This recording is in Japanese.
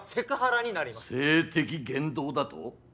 性的言動だと？